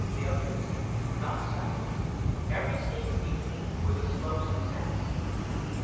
Failures? Not so. Every seeming defeat was a slow success.